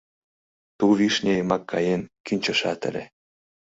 Ту вишне йымак каен, кӱнчышат ыле.